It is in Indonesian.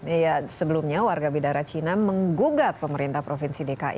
ya sebelumnya warga bidara cina menggugat pemerintah provinsi dki